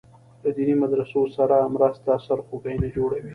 له دیني مدرسو سره مرسته سرخوږی نه جوړوي.